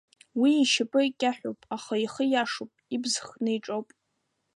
Уи ишьапы кьаҳәуп, аха ихы иашоуп, ибз хны иҿоуп.